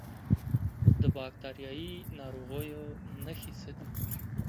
د باکتریایي ناروغیو نښې څه دي؟